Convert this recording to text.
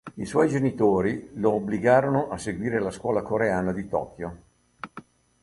I suoi genitori lo obbligarono a seguire la scuola coreana di Tokyo.